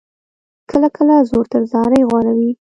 کله کله زور تر زارۍ غوره وي.